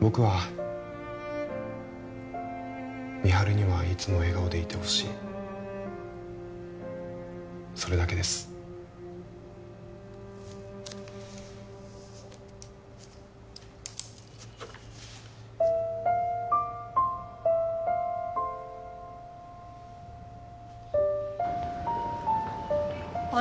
僕は美晴にはいつも笑顔でいてほしいそれだけですあれ？